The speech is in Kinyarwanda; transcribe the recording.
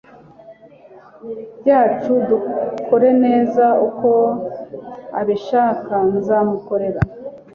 byacu, dukore neza uko abishaka, nzamukorera.